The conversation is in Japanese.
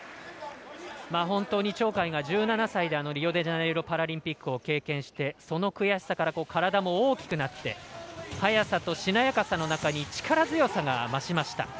本当に鳥海が１７歳でリオデジャネイロパラリンピックを経験して、その悔しさから体も大きくなって速さとしなやかさの中に力強さが増しました。